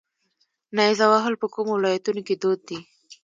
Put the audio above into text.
نیزه وهل په کومو ولایتونو کې دود دي؟